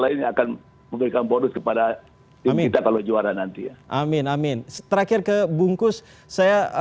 lain akan memberikan bonus kepada tim kita kalau juara nanti ya amin amin terakhir ke bungkus saya